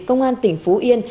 công an tỉnh phú yên